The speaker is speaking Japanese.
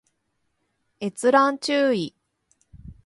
閲覧注意